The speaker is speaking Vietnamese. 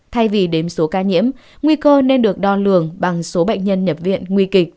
thay vì đếm số ca nhiễm nguy cơ nên được đo lường bằng số bệnh nhân nhập viện nguy kịch